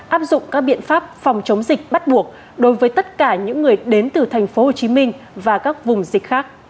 áp dụng các biện pháp phòng chống dịch bắt buộc đối với tất cả những người đến từ tp hồ chí minh và các vùng dịch khác